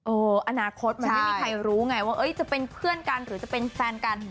อนาคตมันไม่มีใครรู้ไงว่าจะเป็นเพื่อนกันหรือจะเป็นแฟนกัน